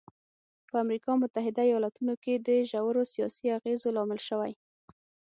په امریکا متحده ایالتونو کې د ژورو سیاسي اغېزو لامل شوی.